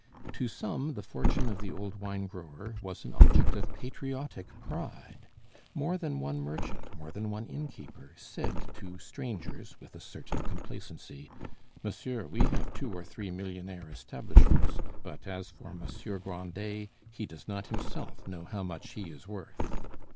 To some the fortune of the old wine grower was an object of patriotic pride. More than one merchant, more than one innkeeper, said to strangers with a certain complacency: "Monsieur, we have two or three millionaire establishments; but as for Monsieur Grandet, he does not himself know how much he is worth."